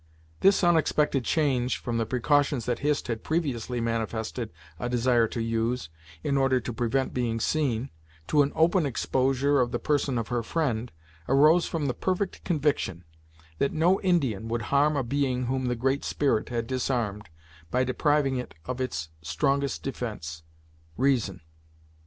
This unexpected change from the precautions that Hist had previously manifested a desire to use, in order to prevent being seen, to an open exposure of the person of her friend, arose from the perfect conviction that no Indian would harm a being whom the Great Spirit had disarmed, by depriving it of its strongest defence, reason.